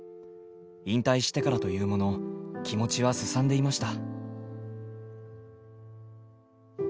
引退してからというもの気持ちはすさんでいました。